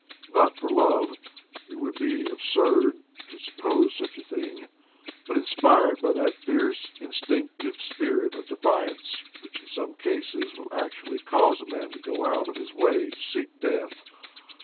Not for love — it would be absurd to suppose such a thing — but inspired by that fierce instinctive spirit of defiance which in some cases will actually cause a man to go out of his way to seek death.